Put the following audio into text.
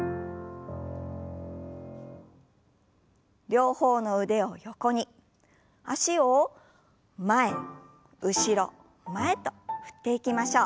両方の腕を横に脚を前後ろ前と振っていきましょう。